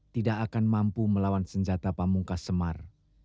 tidak akan mampu melawan senjata pamungkas semar